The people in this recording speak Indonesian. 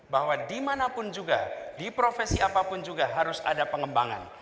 bahwa dimanapun juga di profesi apapun juga harus ada pengembangan